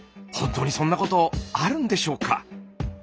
本当にそんなことあるんでしょうか？